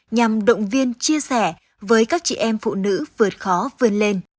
nhằm động viên chia sẻ với các chị em phụ nữ vượt khó vươn lên